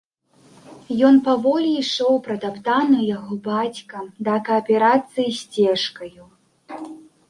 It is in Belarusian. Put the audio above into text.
Ён паволі ішоў пратаптанаю яго бацькам да кааперацыі сцежкаю.